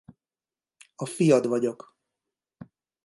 A fiad vagyok.